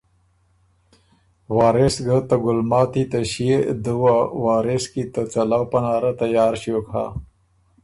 وارث کی ته ګلماتی ته ݭيې دُوه وارث کی ته څَلؤ پناره تیار ݭیوک هۀ